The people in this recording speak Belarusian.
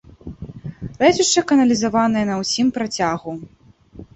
Рэчышча каналізаванае на ўсім працягу.